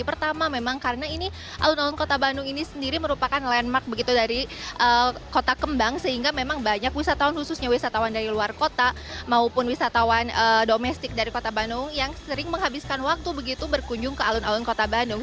pertama memang karena ini alun alun kota bandung ini sendiri merupakan landmark begitu dari kota kembang sehingga memang banyak wisatawan khususnya wisatawan dari luar kota maupun wisatawan domestik dari kota bandung yang sering menghabiskan waktu begitu berkunjung ke alun alun kota bandung